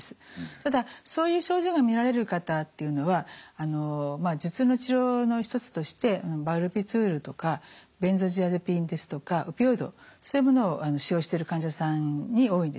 ただそういう症状が見られる方っていうのはまあ頭痛の治療の一つとしてバルビツールとかベンゾジアゼピンですとかオピオイドそういうものを使用してる患者さんに多いんですね。